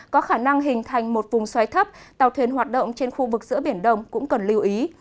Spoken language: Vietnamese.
có khả năng hình thành một vùng xoáy thấp tàu thuyền hoạt động trên khu vực giữa biển đông cũng cần lưu ý